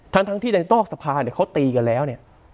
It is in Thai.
ทั้งที่ในต้อกสะพานเขาตีกันแล้วเนี่ย